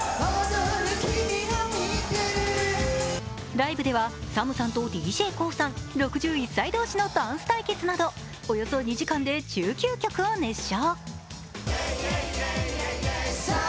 ライブではＳＡＭさんとＤＪＫＯＯさん６１歳同士のダンス対決などおよそ２時間で１９曲を熱唱。